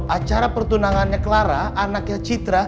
acara pertunangannya clara anaknya citra